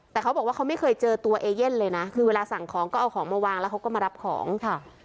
แต่เขาบอกว่าเขาไม่เคยเจอตัวเอเย่นเลยนะคือเวลาสั่งของก็เอาของมาวางแล้วเขาก็มารับของค่ะ